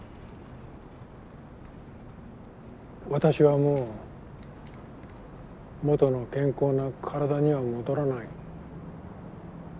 私はもう元の健康な体には戻らない。